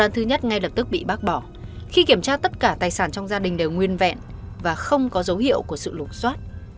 thứ nhất ngay lập tức bị bác bỏ khi kiểm tra tất cả tài sản trong gia đình đều nguyên vẹn và không có dấu hiệu của sự lục xoát